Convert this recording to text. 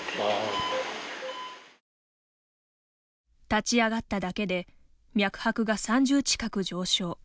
立ち上がっただけで脈拍が３０近く上昇。